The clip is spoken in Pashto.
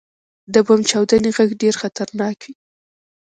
• د بم چاودنې ږغ ډېر خطرناک وي.